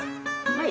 はい。